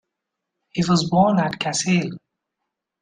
He was born at Kassel.